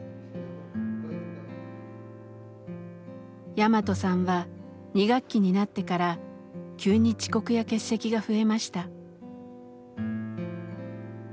ヤマトさんは２学期になってから急に遅刻や欠席が増えました。